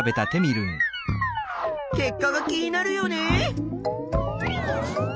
結果が気になるよね！